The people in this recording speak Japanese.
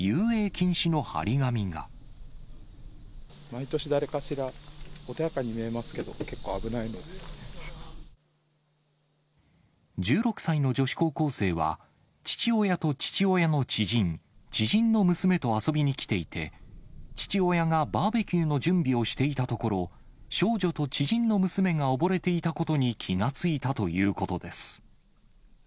毎年、誰かしら、穏やかに見１６歳の女子高校生は、父親と父親の知人、知人の娘と遊びに来ていて、父親がバーベキューの準備をしていたところ、少女と知人の娘が溺れていたことに気がついたということです。